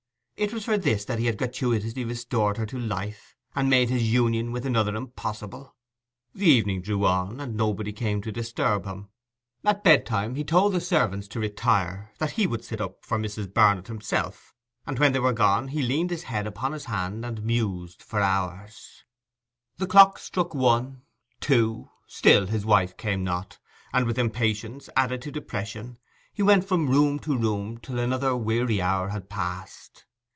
It was for this that he had gratuitously restored her to life, and made his union with another impossible! The evening drew on, and nobody came to disturb him. At bedtime he told the servants to retire, that he would sit up for Mrs. Barnet himself; and when they were gone he leaned his head upon his hand and mused for hours. The clock struck one, two; still his wife came not, and, with impatience added to depression, he went from room to room till another weary hour had passed.